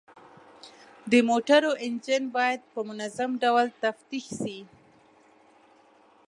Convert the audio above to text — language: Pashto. د موټرو انجن باید په منظم ډول تفتیش شي.